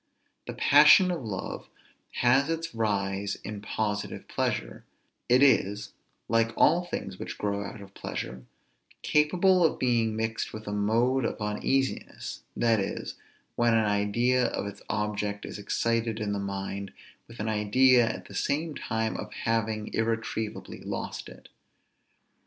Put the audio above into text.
The passion of love has its rise in positive pleasure; it is, like all things which grow out of pleasure, capable of being mixed with a mode of uneasiness, that is, when an idea of its object is excited in the mind with an idea at the same time of having irretrievably lost it.